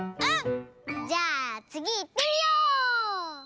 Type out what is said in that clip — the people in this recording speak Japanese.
じゃあつぎいってみよう！